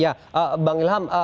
ya bang ilham